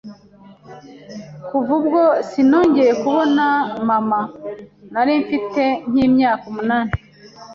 Kuva ubwo sinongeye kubona mama, nari mfite nk’imyaka umunani